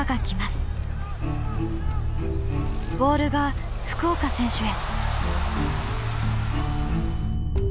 ボールが福岡選手へ。